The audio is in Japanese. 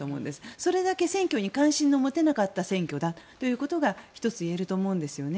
それだけ選挙に関心の持てなかった選挙だということが１つ、言えると思うんですよね。